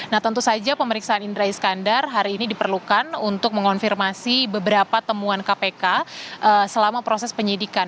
nah tentu saja pemeriksaan indra iskandar hari ini diperlukan untuk mengonfirmasi beberapa temuan kpk selama proses penyidikan